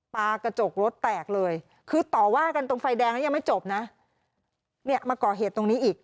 ปลากระจกรถแตกเลยคือต่อว่ากันตรงไฟแดงแล้วยังไม่จบนะเนี่ยมาก่อเหตุตรงนี้อีก